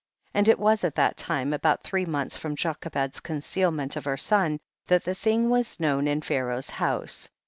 12. And it was at that time, about three months from Jochebed's con cealment of her son, that the thing was known in Pharaoh's house.